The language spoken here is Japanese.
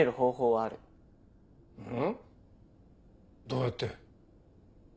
どうやって？